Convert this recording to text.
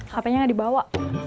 hp nya nggak dibawa